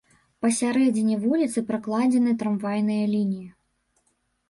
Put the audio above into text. Па сярэдзіне вуліцы пракладзены трамвайныя лініі.